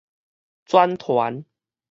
轉傳